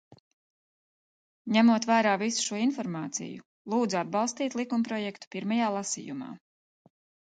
Ņemot vērā visu šo informāciju, lūdzu atbalstīt likumprojektu pirmajā lasījumā.